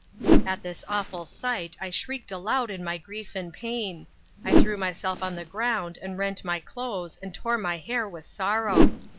At this awful sight I shrieked aloud in my grief and pain. I threw myself on the ground and rent my clothes and tore my hair with sorrow.